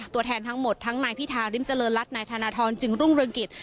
ตัวแทนทั้งหมดทั้งนายพิธาริมเจริญรัฐนายธนทรจึงรุ่งเรืองกิจ